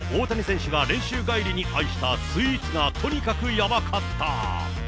菊池投手と大谷選手が練習帰りに愛したスイーツが、とにかくやばかった。